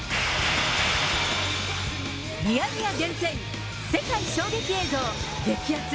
ミヤネ屋厳選、世界衝撃映像、激アツ！